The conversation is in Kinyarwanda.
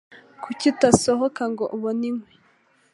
Kuki utasohoka ngo ubone inkwi?